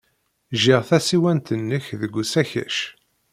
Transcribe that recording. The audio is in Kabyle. Jjiɣ tasiwant-nnek deg usakac.